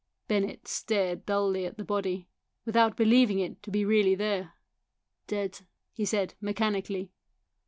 Bennett stared dully at the body, without believing it to be really there. " Dead 1 " he said mechanically.